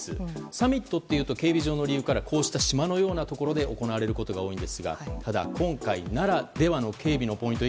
サミットというと警備上の理由からこうした島のようなところで行われることが多いんですがただ、今回ならではの警備のポイント